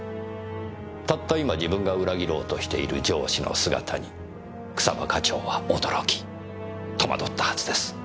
たった今自分が裏切ろうとしている上司の姿に草葉課長は驚き戸惑ったはずです。